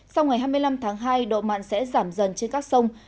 sau ngày hai mươi năm tháng hai độ mặn sẽ giảm dần trên các sông